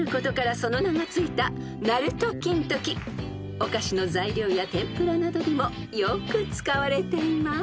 ［お菓子の材料や天ぷらなどにもよく使われています］